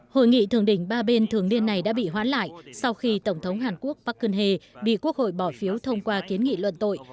hội nghị thượng đỉnh ba bên thường điên này đã bị hoãn lại sau khi tổng thống hàn quốc park geun hye bị quốc hội bỏ phiếu thông qua kiến nghị luận tội